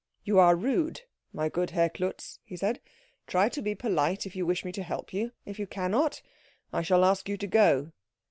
"You are rude, my good Herr Klutz," he said. "Try to be polite if you wish me to help you. If you cannot, I shall ask you to go."